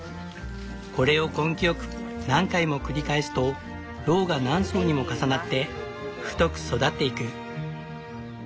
これを根気よく何回も繰り返すとロウが何層にも重なって太く育っていく。